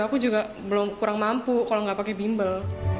aku juga belum kurang mampu kalau nggak pakai bimbel